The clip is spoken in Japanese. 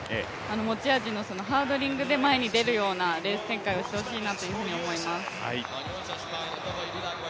持ち味のハードリングで前に出るようなレース展開をしてほしいなというふうに思います。